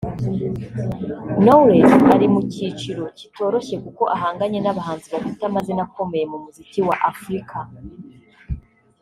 Knowless ari mu cyiciro kitoroshye kuko ahanganye n’abahanzi bafite amazina akomeye mu muziki wa Afurika